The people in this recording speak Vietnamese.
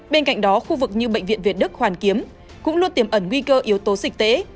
bên cạnh đó khu vực như bệnh viện việt đức hoàn kiếm cũng luôn tiềm ẩn nguy cơ yếu tố dịch tễ